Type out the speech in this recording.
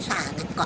sudah lama sekali